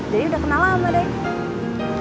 jadi udah kenal sama mereka